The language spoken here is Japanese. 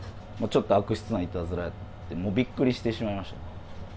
ちょっと悪質ないたずらで、びっくりしてしまいました。